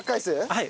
はい。